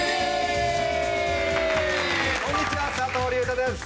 こんにちは佐藤隆太です